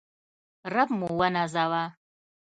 رب موونازوه